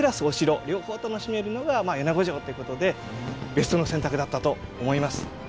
お城両方楽しめるのが米子城ということでベストの選択だったと思います。